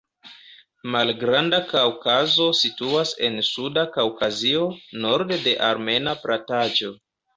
Malgranda Kaŭkazo situas en Suda Kaŭkazio, norde de Armena plataĵo.